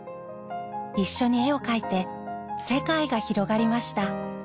一緒に絵を描いて世界が広がりました。